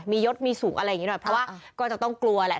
มียศมีสูงอะไรอย่างนี้หน่อยเพราะว่าก็จะต้องกลัวแหละ